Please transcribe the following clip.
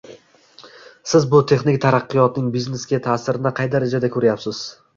Siz bu texnik taraqqiyotning biznesga taʼsirini qay darajada koʻryapsiz?